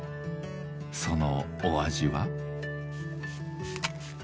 そのお味は？